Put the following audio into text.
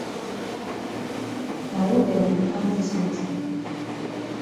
Na wu dem go kam dis meetin?